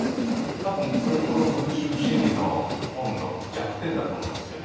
多分それこの「群衆心理」の本の弱点だと思うんですよね。